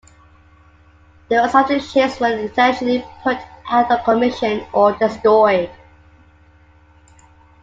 The rest of the ships were intentionally put out of commission or destroyed.